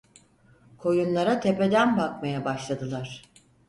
Koyunlara tepeden bakmaya başladılar.